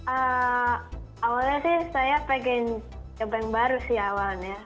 awalnya sih saya pengen jabang baru sih awalnya